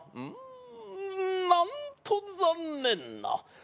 うんなんと残念な。